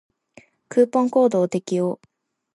クーポンコードを適用